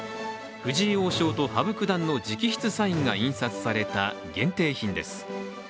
藤井王将と羽生九段の直筆サインが印刷された限定品です。